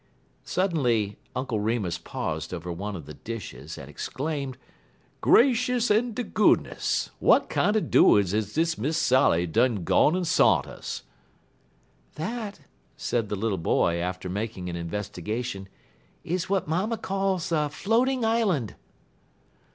" Suddenly Uncle Remus paused over one of the dishes, and exclaimed: "Gracious en de goodness! W'at kinder doin's is dis Miss Sally done gone sont us?" "That," said the little boy, after making an investigation, "is what mamma calls a floating island."